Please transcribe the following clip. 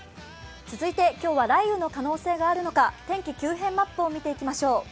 続いて今日は雷雨の可能性もあるのか天気急変マップを見ていきましょう。